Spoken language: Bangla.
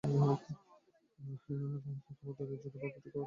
তোমার দুনিয়ার জন্য ভাগ্য তৈরি করতে আমরা টিকে আছি।